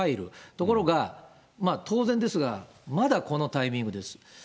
ところが、当然ですが、まだこのタイミングです。